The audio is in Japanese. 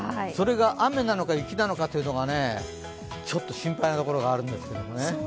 それが雨なのか雪なのかというのがちょっと心配なところがあるんです。